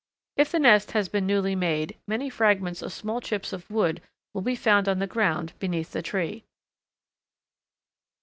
If the nest has been newly made many fragments of small chips of wood will be found on the ground beneath the tree.